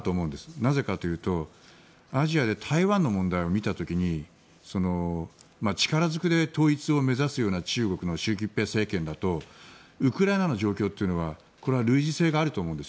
なぜかというとアジアで台湾の問題を見た時に力ずくで統一を目指すような中国の習近平政権だとウクライナの状況というのはこれは類似性があると思うんです。